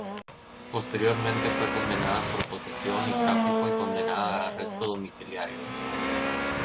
Posteriormente fue condenada por posesión y tráfico y condenada a arresto domiciliario.